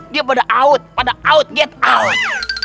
dia pada out pada out get out